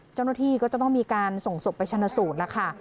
เจ้าหน้าที่ก็จะต้องมีการส่งศพไปชนะสูตรแล้วค่ะ